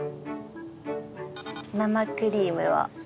生クリームを。